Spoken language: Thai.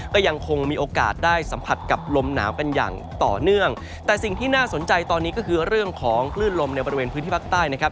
ก็ยังคงมีโอกาสได้สัมผัสกับลมหนาวกันอย่างต่อเนื่องแต่สิ่งที่น่าสนใจตอนนี้ก็คือเรื่องของคลื่นลมในบริเวณพื้นที่ภาคใต้นะครับ